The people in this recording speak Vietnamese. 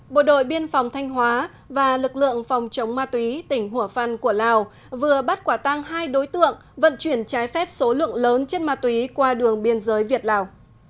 bộ đội biên phòng thanh hóa và lực lượng phòng chống ma túy tỉnh hủa phăn của lào vừa bắt quả tăng hai đối tượng vận chuyển trái phép số lượng lớn chất ma túy qua đường biên giới việt lào